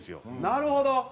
なるほど！